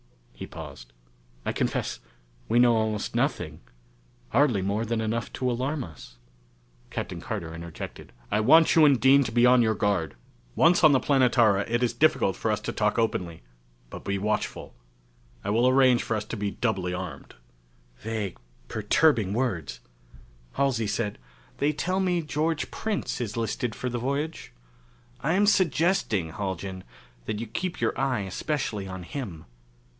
He paused. "I confess, we know almost nothing hardly more than enough to alarm us." Captain Carter interjected, "I want you and Dean to be on your guard. Once on the Planetara it is difficult for us to talk openly, but be watchful. I will arrange for us to be doubly armed." Vague, perturbing words! Halsey said, "They tell me George Prince is listed for the voyage. I am suggesting, Haljan, that you keep your eye especially on him.